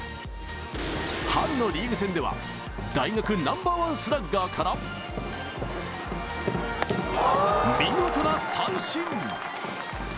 春のリーグ戦では大学ナンバーワンスラッガーから見事な三振！